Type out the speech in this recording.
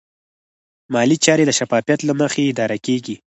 مالي چارې د شفافیت له مخې اداره کېږي.